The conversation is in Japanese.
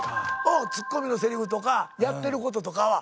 おうツッコミのせりふとかやってることとかは。